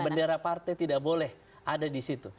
bendera partai tidak boleh ada di situ